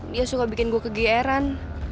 dia suka bikin gue kegieran